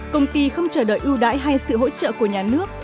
công ty không chờ đợi ưu đãi hay sự hỗ trợ của nhà nước